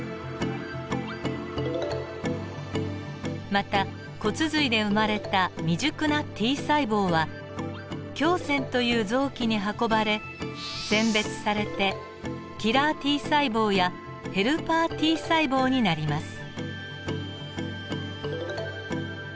また骨髄で生まれた未熟なＴ細胞は胸腺という臓器に運ばれ選別されてキラーＴ細胞やヘルパーＴ細胞になります。